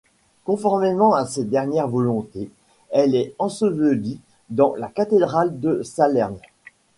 Conformément à ses dernières volontés elle est ensevelie dans la cathédrale de Salerne.